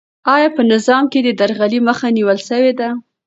آیا په نظام کې د درغلۍ مخه نیول سوې ده؟